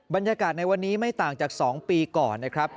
บรรยากาศในวันนี้ไม่ต่างจาก๒ปีก่อนนะครับ